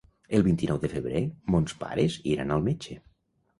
El vint-i-nou de febrer mons pares iran al metge.